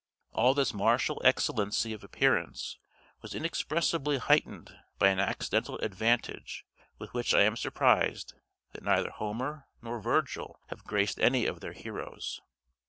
All this martial excellency of appearance was inexpressibly heightened by an accidental advantage, with which I am surprised that neither Homer nor Virgil have graced any of their heroes.